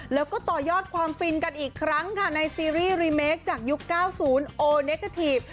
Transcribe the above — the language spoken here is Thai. แล้วก็ต่อยอดความฟินกันอีกครั้งค่ะในซีรีส์รีเมคจากยุค๙๐โอเนเกอร์ทีฟ